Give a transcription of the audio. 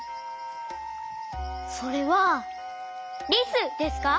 それはリスですか？